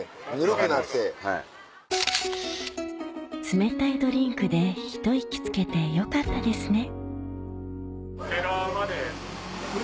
冷たいドリンクでひと息つけてよかったですね